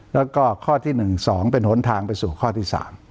แล้วก็ข้อที่๑๒เป็นหนทางไปสู่ข้อที่๓